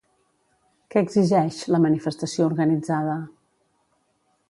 Què exigeix, la manifestació organitzada?